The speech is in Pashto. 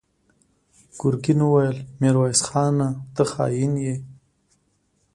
ګرګين وويل: ميرويس خانه! ته خاين يې!